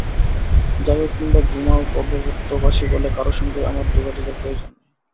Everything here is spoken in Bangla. জাগো কিংবা ঘুমাও পার্বত্যবাসী বলে কারও সঙ্গে আমার যোগাযোগের প্রয়োজন নেই।